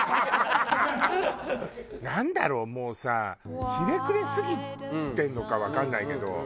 なんだろうもうさひねくれすぎてるのかわかんないけど。